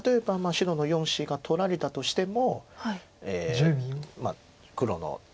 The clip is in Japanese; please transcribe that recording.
白の４子が取られたとしても。